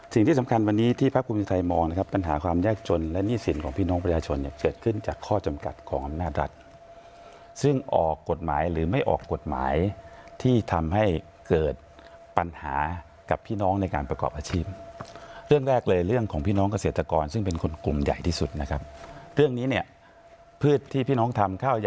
สิ่งที่สำคัญวันนี้ที่พักภูมิใจไทยมองนะครับปัญหาความยากจนและหนี้สินของพี่น้องประชาชนเนี่ยเกิดขึ้นจากข้อจำกัดของอำนาจรัฐซึ่งออกกฎหมายหรือไม่ออกกฎหมายที่ทำให้เกิดปัญหากับพี่น้องในการประกอบอาชีพเรื่องแรกเลยเรื่องของพี่น้องเกษตรกรซึ่งเป็นคนกลุ่มใหญ่ที่สุดนะครับเรื่องนี้เนี่ยพืชที่พี่น้องทำข้าวย